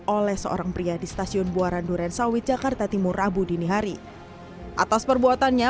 oleh seorang pria di stasiun buaran duren sawit jakarta timur rabu dini hari atas perbuatannya